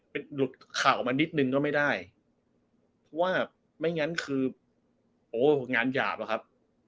เป็นหลุดข่าวออกมานิดนึงก็ไม่ได้เพราะว่าไม่งั้นคือโอ้งานหยาบอะครับ